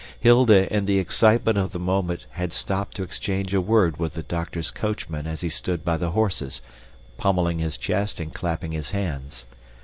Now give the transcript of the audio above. Hilda, in the excitement of the moment, had stopped to exchange a word with the doctor's coachman as he stood by the horses, pommelling his chest and clapping his hands.